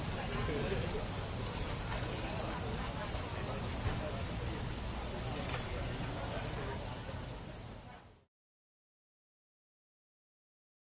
สวัสดีครับ